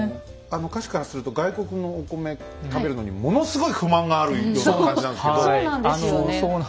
歌詞からすると外国のお米食べるのにものすごい不満があるような感じなんですけど。